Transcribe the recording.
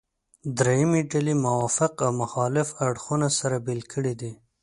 درېیمې ډلې موافق او مخالف اړخونه سره بېل کړي دي.